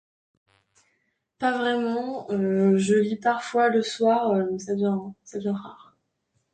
Pas vraiment, je lis parfois le soir...